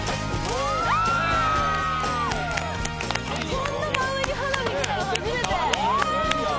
こんな真上に花火見たの初めて。